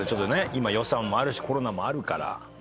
今予算もあるしコロナもあるから。